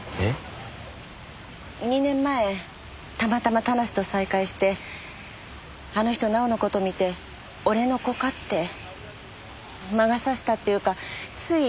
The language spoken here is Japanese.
２年前たまたま田無と再会してあの人奈緒の事見て「俺の子か？」って。魔が差したっていうかつい